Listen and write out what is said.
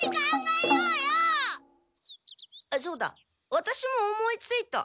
ワタシも思いついた。